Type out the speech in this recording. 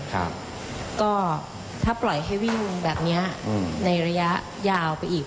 ครับก็ถ้าปล่อยให้วิ่งแบบเนี้ยอืมในระยะยาวไปอีก